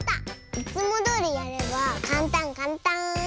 いつもどおりやればかんたんかんたん。